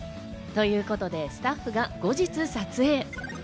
ということでスタッフが後日撮影。